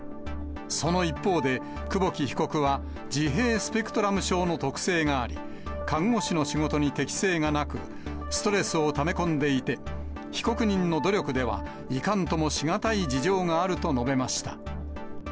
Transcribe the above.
その一方で、久保木被告は自閉スペクトラム症の特性があり、看護師の仕事に適性がなく、ストレスをため込んでいて、被告人の努力では、いかんともし難い事情があると述べました。